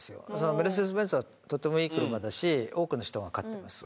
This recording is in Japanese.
メルセデス・ベンツはとってもいい車だし多くの人が買ってます